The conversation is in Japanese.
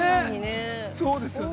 ◆そうですよね。